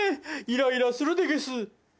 イライラするでゲス。